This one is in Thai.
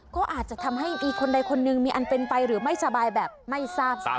ก็อาจจะทำให้มีคนใดคนหนึ่งมีอันเป็นไปหรือไม่สบายแบบไม่ทราบซ้ำ